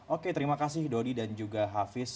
oke terima kasih dodi dan juga hafiz